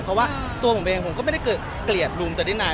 เพราะว่าตัวผมเองผมก็ไม่ได้เกลียดลุงแต่ได้นาน